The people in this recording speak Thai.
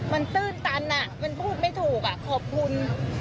มันตื้นตันมันพูดไม่ถูกขอบคุณ